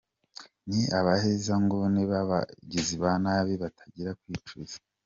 Ni Abahezanguni b’ababagizi banabi batagira kwicuza.”